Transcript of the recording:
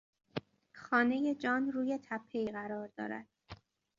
خانهی جان روی تپهای قرار دارد.